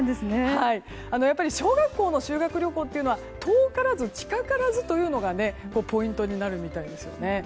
やっぱり小学校の修学旅行っていうのは遠からず近からずというのがポイントになるみたいですね。